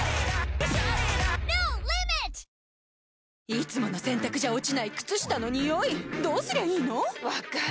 いつもの洗たくじゃ落ちない靴下のニオイどうすりゃいいの⁉分かる。